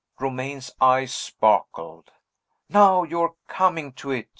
Romayne's eyes sparkled. "Now you are coming to it!"